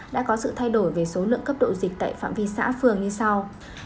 đã có sự thay đổi về số lượng cấp độ dịch tại phạm vi xã phường như sau